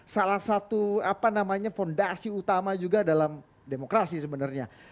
salah satu fondasi utama juga dalam demokrasi sebenarnya